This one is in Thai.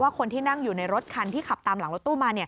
คนที่นั่งอยู่ในรถคันที่ขับตามหลังรถตู้มา